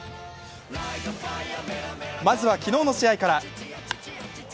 まずは昨日の試合から。